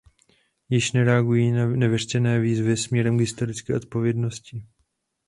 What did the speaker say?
Již nereagují na nevyřčené výzvy směrem k historické odpovědnosti.